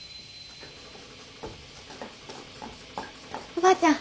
おばあちゃん。